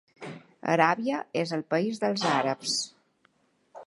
Aràbia és el país dels àrabs.